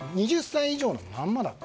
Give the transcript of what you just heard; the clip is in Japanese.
２０歳以上のまま。